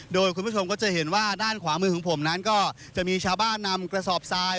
โดยคุณผู้ชมก็จะเห็นว่าด้านขวามือของผมนั้นก็จะมีชาวบ้านนำกระสอบทราย